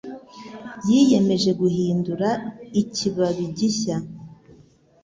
Yiyemeje guhindura ikibabi gishya.